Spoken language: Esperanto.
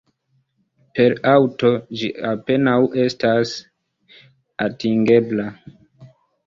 Per aŭto ĝi apenaŭ estas atingebla.